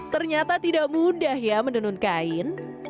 ternyata tidak mudah ya menenun kain